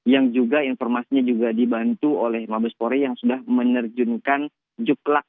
yang juga informasinya juga dibantu oleh mabespori yang sudah menerjunkan juklak